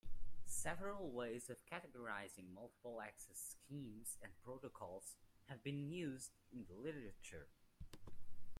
Several ways of categorizing multiple-access schemes and protocols have been used in the literature.